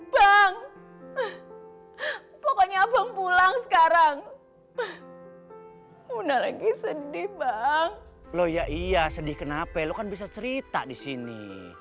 bang pokoknya pulang sekarang udah sedih bang loh ya iya sedih kenapa lu kan bisa cerita di sini